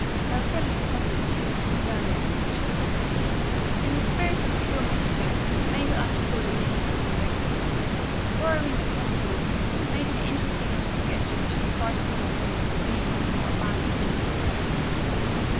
Elfreda's presence, too, confirmed their suspicions. In a spirit of pure mischief Mabel Ashe pulled a leaf from her note book. Borrowing a pencil, she made an interesting little sketch of two frightened young women fleeing before a band of sheeted specters.